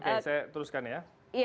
oke saya teruskan ya